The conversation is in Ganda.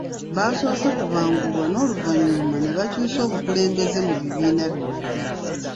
Baasoose kubangulwa n'oluvannyuma ne bakyusa obukulembeze mu bibiina byombi